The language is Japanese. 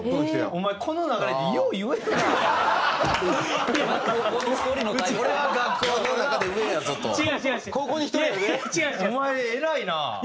お前偉いな。